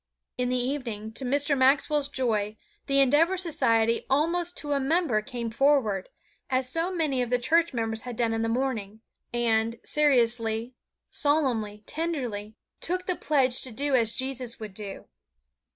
In the evening, to Mr. Maxwell's joy, the Endeavor Society almost to a member came forward, as so many of the church members had done in the morning, and seriously, solemnly, tenderly, took the pledge to do as Jesus would do.